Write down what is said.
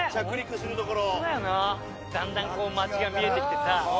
だんだんこう街が見えてきてさ。